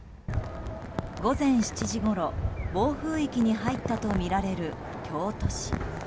午前７時ごろ、暴風域に入ったとみられる京都市。